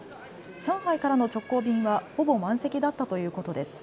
上海からの直行便はほぼ満席だったということです。